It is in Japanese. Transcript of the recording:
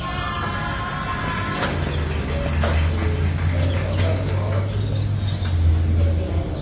何かだんだんこうわっとねよみがえってくる。